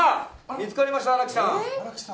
見つかりました新城さん